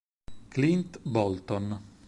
Clint Bolton